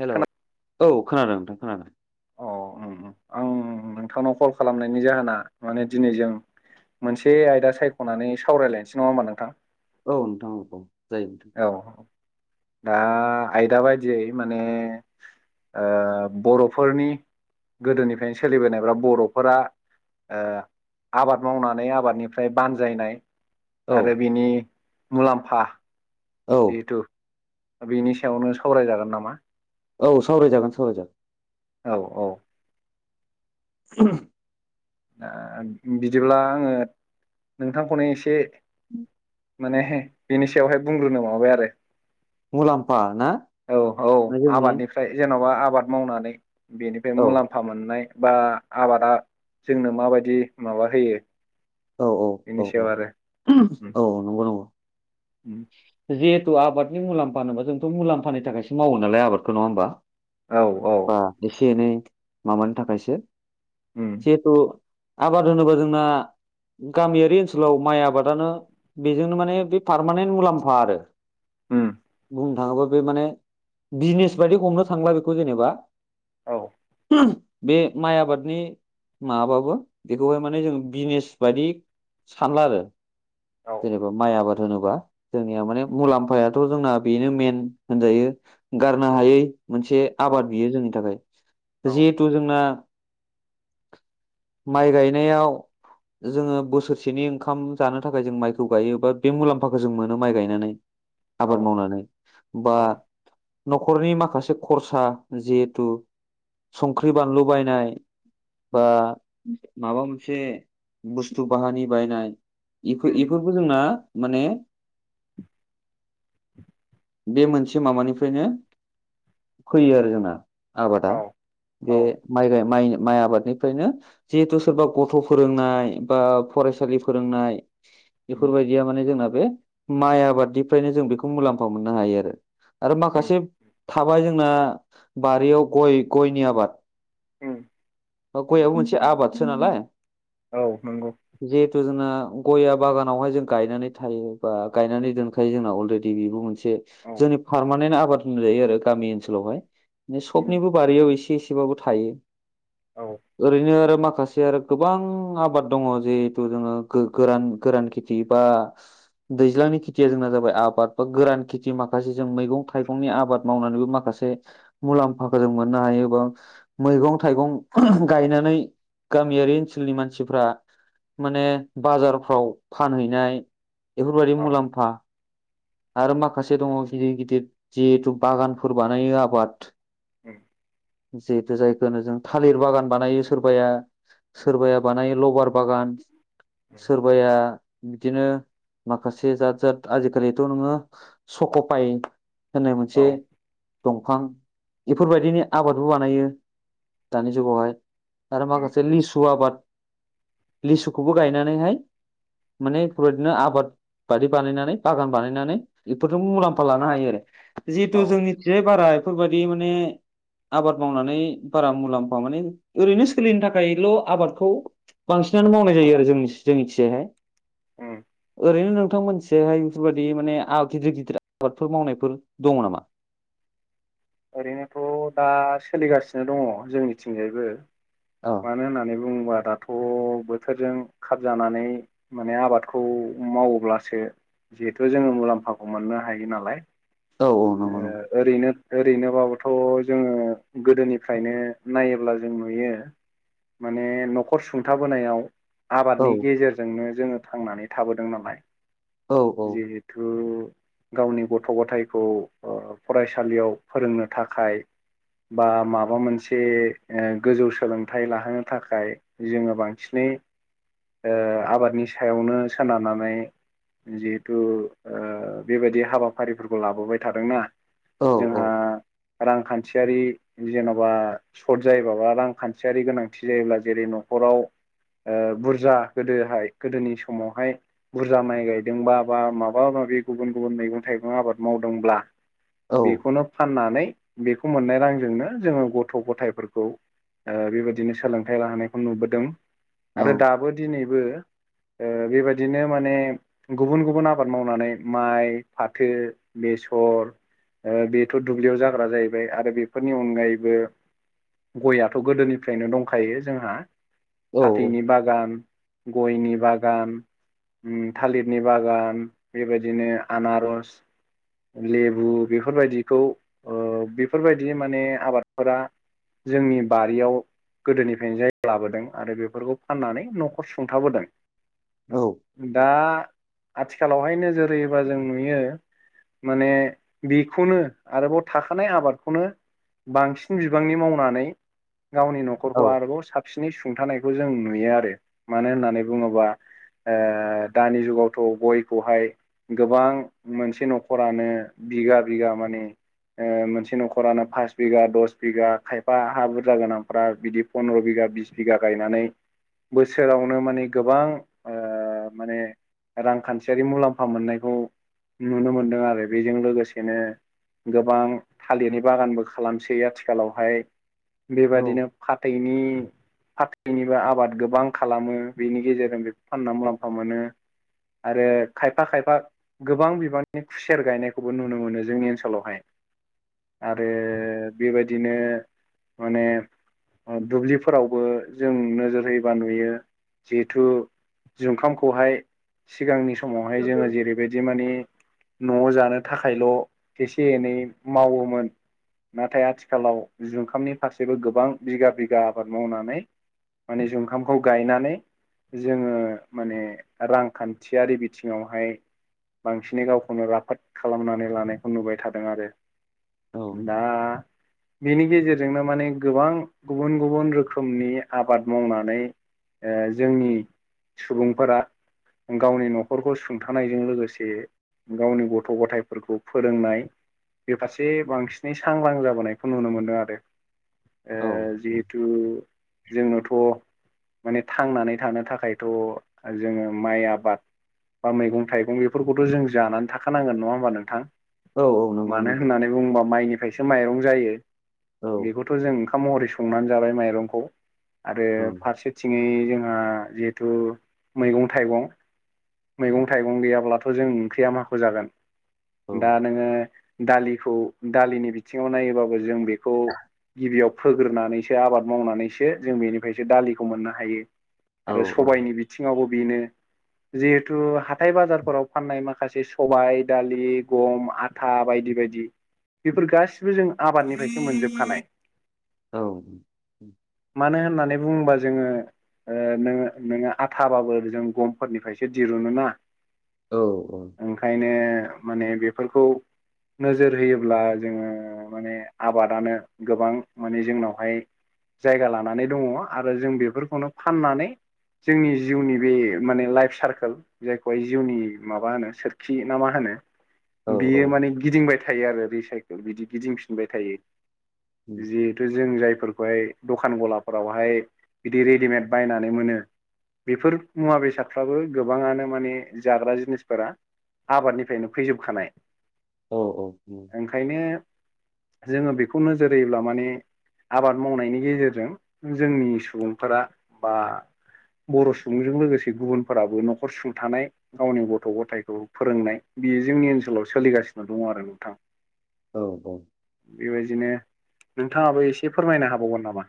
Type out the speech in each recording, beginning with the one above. Hello, खोना औ खोनादों नोंथां खोनादों। अ आं उम नोंथांनाव कल खालामनायनि जाहोना माने दिनै जों मोनसे आयदा सायख'नानै सावरायलायनोसै नङा होमबा नोंथां? औ नोंथां औ। जायो नोंथां औ दा आयदा बायदियै माने ओ बर'फोरनि गोदोनिफ्रायनो सोलिबोनाय बा बर'फोरा ओ आबाद मावनानै आबादनिफ्राय बानजायनाय औ आरो बिनि मुलाम्फा औ जिहेथु बेनि सायावनो सावरायजागोन नामा? औ सावरायजागोन सावरायजागोन। औ औ। [unintelligible] [unintelligible] बिदिब्ला आङो नोंथांखौनो एसे [unintelligible] माने बेनि सायावहाय बुंग्रोनो माबाबाय आरो। मुलाम्फा ना औ औ जोंनि आबादनिफ्राय जेन'बा आ बाद मावनानै बेनिफ्राय औ मुलाम्फा मोननाय बा आबादा जोंनो माबायदि माबा होयो औ बेनि औ सायाव औ आरो। उम। औ नंगौ नंगौ उम। जिहेथु आबादनि मुलाम्फा होनोबा जोंथ' मुलाम्फानि थाखायसो मावो नालाय आबादखौ नंआ होमबा औ औ बा एसे एनै माबानि थाखायसो उम जिहेथु आबाद होनोबा जोंना गामियारि ओनसोलाव माइ आबादानो बेजोंनो माने बे पारमानेन्ट मुलाम्फा आरो। ह बुंनो थाओबा बे माने बिजनेस बायदि हमनो थांङोब्ला बेखौ जेनेबा औ हो बे माइ आबादनि माबाबो बेखौहाय मानि जों बिजनिस बादि सानला आरो औ जेनेबा माइ आबाद होनोबा जोंनिया माने मुलाम्फाया [inaudible] दाथ' जोंना बेनो मेन होनजायो गारनो औ हायै मोनसे औ आबाद बियो जोंनि थाखाय जिहिथु जोंना माइ गायनाआव जोङो बोसोरसेनि ओंखाम जानो थाखाय जों माइखौ गायो बा बे मुलाम्फाखौ जों मोनो माइ गायनानै औ आबाद मावनानै बा औ न'खरनि माखासे खरसा जिहेथु संख्रि बानलु बायनाय बा माबा मोनसे बुस्थु बाहानि बायनाय इ इफोरबो उम बेफोरखौ जोंना माने बे मोनसे माबानिफ्रायनो फैयो आरो जोंना। आबादा औ बे औ माइ गाइ माइ आबाद बेनिफ्रायनो जिहेतु सोरबा गथ' फोरोंनाय बा फरायसालि फोरोंनाय उम बेफोरबायदिया माने जोंना बे माइ आबादनिफ्रायनो जों बेखौ मुलाम्फा मोननो हायो आरो आरो उम माखासे थाबाय जोंना बारिआवव गय गयनि आबाद [inaudible] नंगौ गयाबो मोनसे आबादसो नालाय औ नंगौ जिहेथु जोंना गया बागानावहाय जों गायनानै थायो बा गायनानै दोनखायो जोंना अलरेडि बेबो मोनसे औ जोंनि पारमानेन्ट आबाद होनजायो आरो गामि ओनसोलावहाय उम सबनिबो बारियाव एसे एसेबाबो थायो औ ओरैनो आरो माखासे माखासे आरो गोबां आबाद दङ जिहेथु जोङो गोरान गोरान खेथि बा दैज्लांनि खेथिया जोंना जाबाय आबाद बा गोरान खेथि माखासे जों मैगं थाइगंनि आबाद मावनानैबो माखासे जे‌ मुलाम्फाखौ जों मोननो हायो बा मैगं थाइगं उम गायनानै गामिआरि ओनसोलनि मानसिफ्रा माने बाजारफ्राव फानहैनाय बेफोरबायादि औ मुलाम्फा आरो माखासे दङ गिदिर गिदिर जिहिथु बागानफोर बानायो आबाद उम जिहेतु जायखौ जों थालिर बागान बानायो सोरबाया सोरबाया बानायो ल'बार बागान उम सोरबाया बिदिनो माखासे जाद जाद आजिखालिथ' नोङो स'ख'फाय होननाय औ मोनसे दंफां बेफोरबादिनि आबादबो बानायो दानि जुगावहाय आरो उम मासे लिसु आबाद लिसुखौबो गायनानैहाय माने बेफोरबादिनो आबाद बादि बानायनानै बागान बानायनानै बेफोरजों मुलाम्फा लानो हायो आरो। जिहेतु औ जोंनिथियाय बारा बेफोरबायदि माने आबाद मावनानै बारा मुलाम्फा मानि ओरैनो सोलिनो थाखायल' आबादखौ बांसिनानो मावनाय जायो आरो जों जोंनि थिंजायहाय उम ओरैनो नोंथां मोनथिहाय बेफोरबादि माने गिदिर गिदिर आबादफोर मावनायफोर दङ नामा [inaudible] ओरैनोथ' दा सोलिगासिनो दङ जोंनिथिंजायबो औ मानो होननानै बुङोबा दा थ' बोथोरजों खाब जानानै माने आबादखौ मावोब्लासो जिहेथु जोङो मुलाम्फाखौ मोननो हायो नालाय औ औ नंगौ नंगौ ओ ओरैनो ओरैनोबाबोथ' जोङो गोदोनिफ्रायनो नायोब्ला जों नुयो माने न'खर सुंथाबोनायाव आबादनि गेजेरजोंनो जोङो थांनानै थाबोदों नालाय। औ औ जिहेथु गावनि गथ' गथायखौ ओ फरायसालियाव फोरोंनो थाखाय बा माबा मोनसे ओ गोजौ सोलोंथाइ लाहोनो थाखाय जोङो बांसिनै ओ आबादनि सायावनो सोनारनानै जिहेथु ओ बेबायदि हाबाफारिफोरखौ लाबोबाय थादोंना? औ औ। जोंहा रांखान्थियारि जेन'बा सर्ट जायोबा बा रांखान्थियारि गोनांथि जायोब्ला जे न'खराव ओ बुरजा गोदोहाय गोदोनि समावहाय बुरजा माइ गायदोंबा बा माबा गुबुन गुबुन मैगं थाइगं आबाद मावदोंब्ला औ बेखौनो फाननानै बेखौ मोननाय रांजोंनो जोङो गथ' गथायफोरखौ ओ बेबायदिनो सोलोंथाइ लाहोनायखौ नुबोदों आरो दाबो दिनैबो ओ बेबायदिनो माने गुबुन गुबुन आबाद मावनानै माइ फाथो बे बेसर ओ बेथ' दुब्लियाव जाग्रा जाहैबाय आरो बेफोरनि अनगायैबो गयाथ' गोदोनिफ्रायनो दंखायो जोंहा औ फाथैनि बागान गयनि बागान थालिरनि बागान बेबायदिनो आनारस लेबु बेफोरबायदिखौ ओबेफोरबायदि माने आबादफोरा जोंनि बारियाव गोदोनिफ्रायनो जायगा लाबोदों आरो बेफोरखौ फाननानै न'खर सुंथाबोदों दा आथिखालावहाय नोजोर होयोबा जों नुयो माने बेखौनो आरोबाव थाखानाय आबादखौनो बांसिन बिबांनि मावनानै गावनि न'खरखौ आरोबाव साबसिनै सुंथानायखौ जों नुयो आरो मानो होननानै बुङोबा ओ दानि जुगावथ' गयखौहाय गोबां मोनसे न'खरानो बिगा बिगा माने ओ मोनसे न'खरानो पास बिगा दस बिगा खायफा हा बुरजा गोनांफ्रा बिदि फन्द्र' बि बिगा बिस बिगा गायनानै बोसोरावनो माने गोबां ओ ओ माने रांखान्थियारि मुलाम्फा मोननायखौ नुनो मोनदों आरो बेजों लोगोसेनो गोबां थालिरनि बागानबो खालामसै आथिखालावहाय बेबायदिनो फाथै बिनि फाथैनिबो आबाद गोबां खालामो बेनि गेजेरजों बेखौ फानना मुलाम्फा मोनो आरो खायफा खायफा गोबां बिबांनि खुसेर गायनायखौबो नुनो मोनो जोंनि ओनसोलाव आरो बेबायदिनो माने दुब्लिफोरावबो जों नोजोर होयोबा नुयो जिहेथु जुंखामखौहाय सिगांनि समावहाय जोङो जेरैबायदि माने न'आव जानो थाखायल' एसे एनै मावोमोन नाथाय आथिखालाव जुखामनि फारसेबो गोबां बिगा बिगा आबाद मावनानै माने जुखामखौ गायनानै जोङो माने रांखान्थियारि बिथिङावहाय बांसिनै गावखौनो राफोद खालामनानै लानायखौ नुबाय थादों आरो दा बेनि गेजेरजोंनो माने गोबां गुबुन गुबुन रोखोमनि आबाद मावनानै ओ जोंनि सुबुंफोरा गावनि न'खरखौ सुंथानायजों लोगोसे गावनि गथ' गथायफोरखौ फोरोंनाय बे फारसे बांसिनै सांग्रां जाबोनायखौ नुनो मोनदों आरो। ओ औ जिहेथु जोंनोथ' माने थांनानै थानो थाखायथ' जोङो माइ आबाद बा मैगं थाइगं बेफोरखौथ' जों जानानै थाखानांगोन नङा होमबा नोंथां? औ औ नंगौ मानो नंगौ होननानै बुङोबा माइनिफ्रायसो माइरं जायो औ बेखौथ' जों ओंखाम महरै संनानै जाबाय माइरंखौ आरो औ फारसेथिङै जोंहा जिहेथु मैगं थाइगं मैगं थाइगं गैयाब्लाथ' जों ओंख्रिया माखौ जागोन‌ औ दा नोङो दालिखौ दालिनि बिथिङाव नायोबाबो जों बेखौ गिबियाव फोग्रोनानैसो आबाद मावनानैसो जों बेनिफ्रायसो दालिखौ मोननो हायो। औ आरो सबायनि बिथिङावबो बेनो जिहेथु हाथाय - बाजारफोराव फाननाय माखा माखासे सबाय, दालि, गम, आथा बायदि बायदि बायदि बेफोर गासिबो जों आबादनिफ्रायसो मोनजोबखानाय। औ। बुंङोबा जोङो नोङो नोङो आथाबाबो जों गमफोरनिफ्रायसो दिरुनो ना। ओंखायनो माने बेफोरखौ नोजोर होयोब्ला जोङो माने आबादानो गोबां माने जोंनावहाय जायगा लानानै दङ आरो जों बेफोरखौनो फाननानै जोंनि जिउनि बे माने लाइफ सारकोल जायखौहाय जिउनि माबा होनो सोरखि ना मा होनो? औ बियो माने गिदिंबाय थायो आरो रिसाइकेल बिदि गिदिंफिनबाय थायो। जिहेतु जों जायफोरखौहाय दखान गलाफोरावहाय बिदि रेडिमेड बायनानै मोनो। बेफोर मुवा बेसादफ्राबो गोबाङानो माने जाग्रा जिनिसफोरा आबादनिफ्रायनो फैजोबखानाय। औ औ ओंखायनो जोङो बेखौ नोजोर होयोब्ला माने आबाद मावनायनि गेजेरजों जोंनि सुबुंफोरा बा बर' सुबुंजों लोगोसे गुबुनफोराबो न'खर सुंथानाय गावनि गथ' गथायखौ फोरोंनाय बेयो जोंनि ओनसोलाव सोलिगासिनो दङ आरो गोथां। औ बेबायदिनो नोंथाङाबो एसे फोरमायनो हाबावगोन नामा?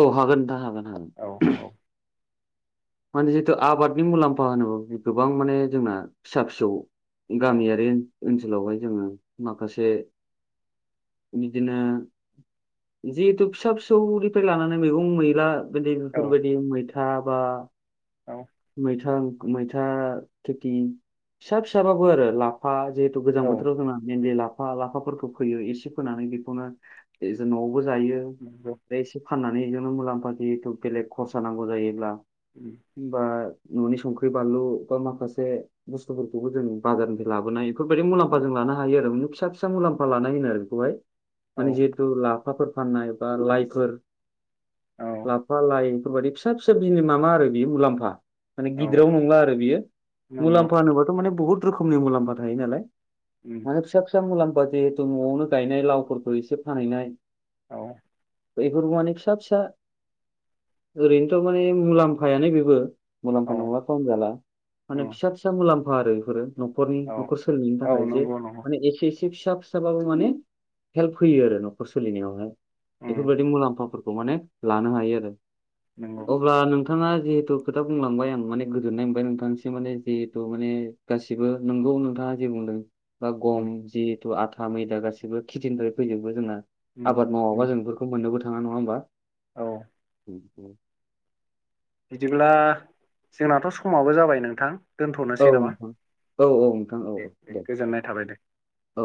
औ हागो नोंथां हागोन औ हागोन। औ माने जिहेथु आबादनि मुलाम्फा होनोब्ला गोबां माने जोंना फिसा फिसौ औ गामियारि ओनसोलावहाय जोङो माखासे बिदिनो जिहेथु फिसा फिसौनिफ्राय लानानै मैगं मैला बि बेफोर बायदि मैथा बा औ मैथा मैथा खेथि फिसा - फिसाबाबो आरो लाफा जिहेतु गोजां औ बोथोराव जोंना मइेनलि लाफा - लाफाफोरखौ फैयो एसे फोनानै बेखौनो जों न'आव बो जायो नंगौ एसे फाननानैजोंनो मुलाम्फा जथु बेलेग खरसा नांगौ जायोब्ला उम। बा न'नि संख्रि बानलु बा माखासे बुस्थुफोरखौबो जों बाजारनिफ्राय लाबोनाय बेफोरबायदि मुलाम्फा जों लानानै हायो आरो फिसा फिसा मुलामफा लानाय होनो आरो बेखौहाय। औ माने जिहेतु लाफाफोर फाननाय बा लाइफोर औ लाफा लाइ बेफोरबायदि फिसा - फिसा बिनि मामाआरो बेयो मुलाम्फा। माने औ गिदिराव नंला आरो बियो नंगौ मुलाम्फा होनोबाथ' माने बुहुत रोखोमनि मुलाम्फा थायो नालाय। माने फिसा फिसा मुलाम्फा जिहेथु न'आवनो गायनाय लावफोरखौ एसे फानहैनाय। औ। बेफोर माने फिसा फिसा ओरैनोथ' माने मुलाम्फायानो बेबो। औ मुलाम्फा नंला खौ होनजाला माने उम फिसा - फिसा मुलाम्फा आरो बेफोरो। न'खरनि औ न'खर सोलिनायनि औ थाखाय जे नंगौ नंगौ माने एखे एखे एसे फिसा फिसाबाबो माने हेल्प होयो आरो न'खर सोलिनायावहाय उम बेफोरबायदि मुलाम्फाफोरखौ खौ माने लानो हायो आरो नंगौ अब्ला नोंथाङा जिहेथु खोथा बुंलांबाय आं माने गोजोननाय मोनबाय नोंथांनासिम माने जिहेथु माने गासिबो नोंगौ नोंथाङा जे बुंदों। बा गम उम जिहेथु आथा मैदा गासिबो खेथिनिफ्राय फैजोबो जोंना। उम आबाद मावाबा उम जों बेफोरखौ मोननोबो थाङा नङा होमबा? औ। [unintelligible] बिदिब्ला जोंनाथ' समाबो जाबाय नोंथां। औ दोनथ'नोसै नामा नोंथां औ औ नोंथां औ औ दे। औ।